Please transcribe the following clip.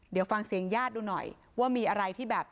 เดี๋ยวฟังเสียงญาติดูหน่อยว่ามีอะไรที่แบบ